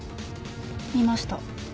見ました。